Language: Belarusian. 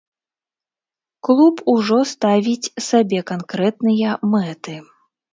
Клуб ужо ставіць сабе канкрэтныя мэты.